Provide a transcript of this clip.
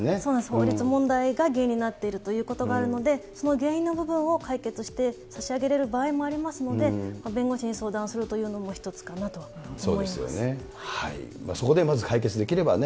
法律問題が原因になっているということがあるので、その原因の部分を解決してさしあげれる場合もありますので、弁護士に相談するというもの一つかなと思います。